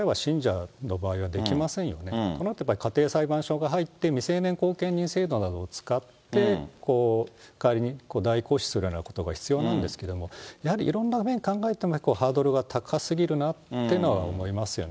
が入って、未成年後見人制度などを使って、代わりに代行するようなことが必要なんですけれども、やはりいろんな面考えても、ハードルが高すぎるなというのは思いますよね。